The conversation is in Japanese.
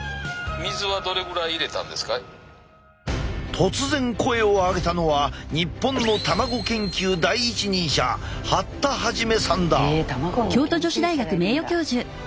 突然声を上げたのは日本の卵研究第一人者へえ卵の研究者がいるんだ。